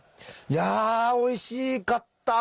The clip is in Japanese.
いやおいしかった！